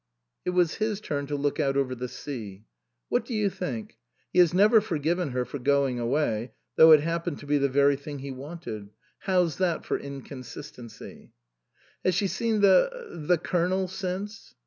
It was his turn to look out over the sea. " What do you think ? He has never forgiven her for going away, though it happened to be the very thing he wanted. How's that for in consistency ?"" Has she seen the the Colonel since